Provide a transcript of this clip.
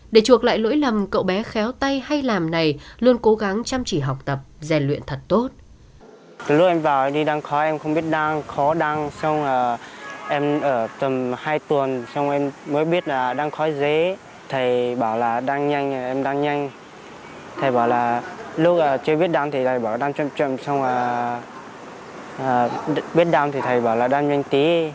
để chuộc lại lỗi lầm cậu bé khéo tay hay làm này luôn cố gắng chăm chỉ học tập dè luyện thật tốt